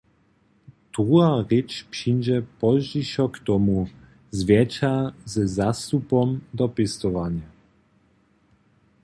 Druha rěč přińdźe pozdźišo k tomu, zwjetša ze zastupom do pěstowarnje.